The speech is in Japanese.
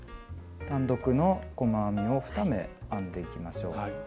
単独の細編みを２目編んでいきましょう。